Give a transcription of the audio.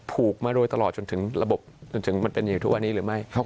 ผูกมาโดยตลอดจนถึงระบบจนถึงมันเป็นอย่างทุกวันนี้หรือไม่